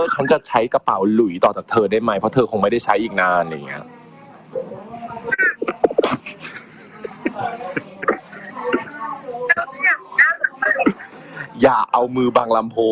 ฉันคิดอย่างเดียวเลย